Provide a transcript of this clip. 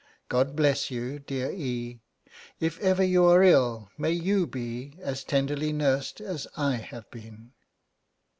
God bless you, dear E.; if ever you are ill, may you be as tenderly nursed as I have been....'